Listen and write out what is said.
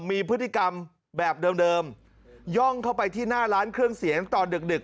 มีพฤติกรรมแบบเดิมย่องเข้าไปที่หน้าร้านเครื่องเสียงตอนดึกดึก